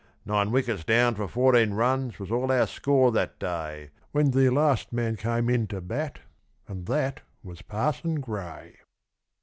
Nine wickets down for fourteen runs was all our score that day When the last man came in to bat, and that was Parson Grey.